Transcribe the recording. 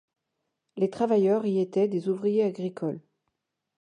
Les travailleurs y étaient des ouvriers agricoles.